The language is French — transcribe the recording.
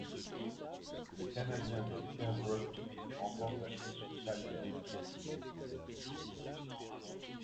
Les Canadiens de Sherbrooke remportent la coupe Calder.